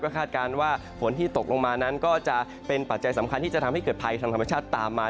คาดการณ์ว่าฝนที่ตกลงมานั้นก็จะเป็นปัจจัยสำคัญที่จะทำให้เกิดภัยทางธรรมชาติตามมา